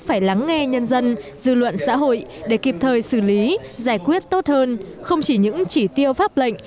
phải lắng nghe nhân dân dư luận xã hội để kịp thời xử lý giải quyết tốt hơn không chỉ những chỉ tiêu pháp lệnh